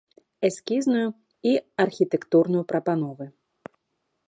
Эскізную і архітэктурную прапановы.